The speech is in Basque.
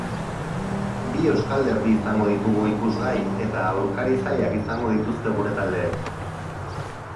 Bi euskal derbi izango ditugu ikusgai eta aurkari zailak izango dituzte gure taldeek.